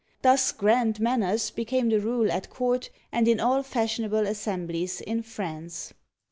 Thus "grand manners" became the rule at court and in all fashionable assemblies in France.